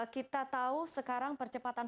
kita tahu sekarang percepatan